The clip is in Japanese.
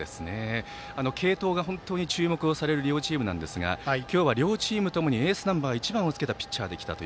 継投が本当に注目をされる両チームなんですが今日は両チームともエースナンバー１番をつけたピッチャーがきたと。